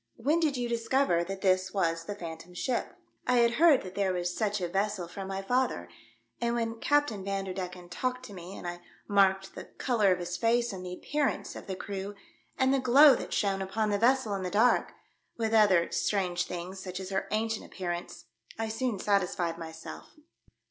When did you discover that this was the Phantom Ship ?"I had heard that there was such a vessel from my father, and when Captain Van derdecken talked to me and I marked the colour of his face and the appearance of the crew, and the glow that shone upon the vessel in the dark, with other strange things, such as her ancient appearance, I soon satis fied myself."